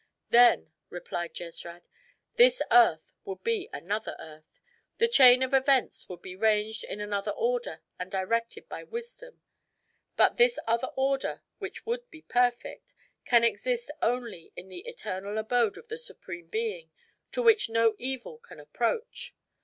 "Then," replied Jesrad, "this earth would be another earth. The chain of events would be ranged in another order and directed by wisdom; but this other order, which would be perfect, can exist only in the eternal abode of the Supreme Being, to which no evil can approach.